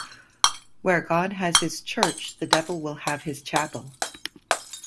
Where God has his church, the devil will have his chapel.